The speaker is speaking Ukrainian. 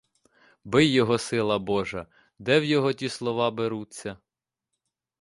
Бий його сила божа, де в його ті слова беруться!